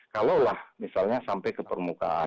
kalau lah misalnya sampai ke permukaan